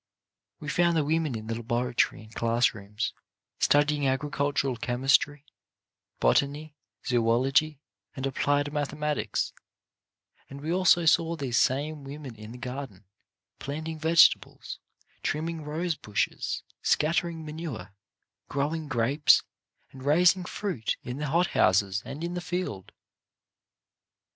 We found the women in the laboratory and class rooms, studying agricultural chemistry, botany, zoology, and applied mathematics, and we also saw these same women in the garden, planting vegetables, trimming rose bushes, scattering 7i 72 CHARACTER BUILDING manure, growing grapes and raising fruit in the hot houses and in the field.